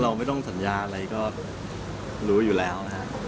เราไม่ต้องสัญญาอะไรก็รู้อยู่แล้วนะครับ